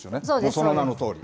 その名のとおり。